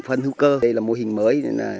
phân hữu cơ đây là mô hình mới